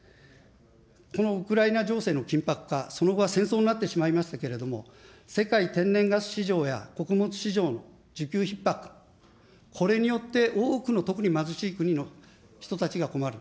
このウクライナ情勢の緊迫化、その後は戦争になってしまいましたけれども、世界天然ガス市場や穀物市場の需給ひっ迫、これによって多くの特に貧しい国の人たちが困る。